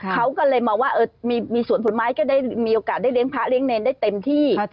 เขาก็เลยมองว่ามีสวนผลไม้ก็ได้มีโอกาสได้เลี้ยงพระเลี้ยเนรได้เต็มที่